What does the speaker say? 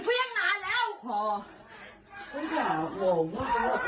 คุณจะโกรธไหมล่ะ